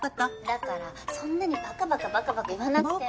だからそんなにバカバカバカバカ言わなくて。